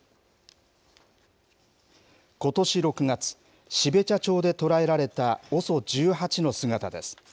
ことし６月、標茶町で捕らえられたＯＳＯ１８の姿です。